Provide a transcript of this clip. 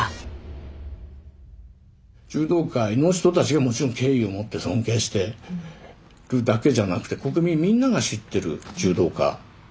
柔道界の人たちがもちろん敬意を持って尊敬してるだけじゃなくて国民みんなが知ってる柔道家ですよ。